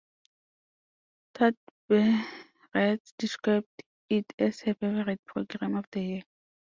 Tutberidze described it as her favorite program of the year.